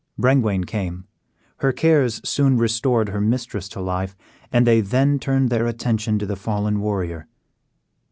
Brengwain came; her cares soon restored her mistress to life, and they then turned their attention to the fallen warrior.